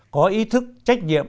có ý thức trách nhiệm